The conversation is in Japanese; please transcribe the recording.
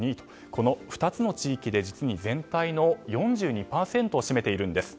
この２つの地域で、実に全体の４２％を占めているんです。